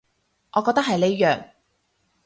我覺得係呢樣